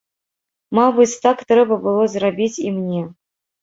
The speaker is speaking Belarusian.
Мабыць, так трэба было зрабіць і мне.